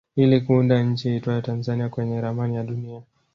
ili kuunda nchi iitwayo Tanzania kwenye ramani ya dunia